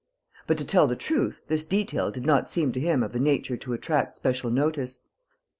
But, to tell the truth, this detail did not seem to him of a nature to attract special notice.